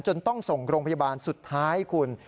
ต้องส่งโรงพยาบาลสุดท้ายคุณ